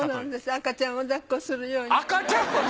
赤ちゃんをだっこするように？